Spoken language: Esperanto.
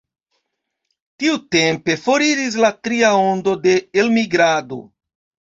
Tiutempe foriris la tria ondo de elmigrado.